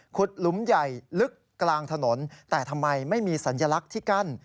หลุมใหญ่ลึกกลางถนนแต่ทำไมไม่มีสัญลักษณ์ที่กั้น